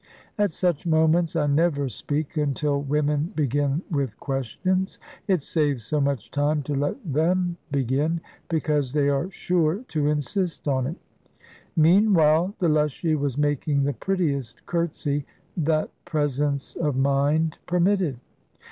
At such moments, I never speak, until women begin with questions. It saves so much time to let them begin; because they are sure to insist on it. Meanwhile Delushy was making the prettiest curtsy that presence of mind permitted.